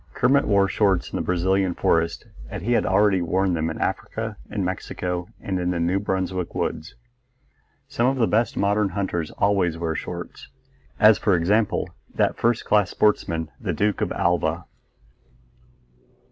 Kermit wore shorts in the Brazilian forest, as he had already worn them in Africa, in Mexico, and in the New Brunswick woods. Some of the best modern hunters always wear shorts; as for example, that first class sportsman the Duke of Alva.